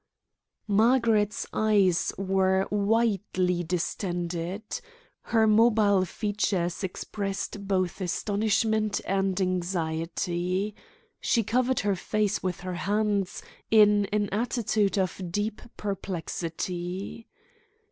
Margaret's eyes were widely distended. Her mobile features expressed both astonishment and anxiety. She covered her face with her hands, in an attitude of deep perplexity.